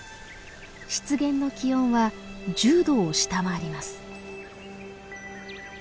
湿原の気温は１０度を下回ります。